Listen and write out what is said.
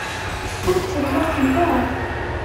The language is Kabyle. Ur tteḍlaqent ara.